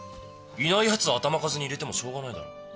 いないヤツを頭数に入れてもしょうがないだろ。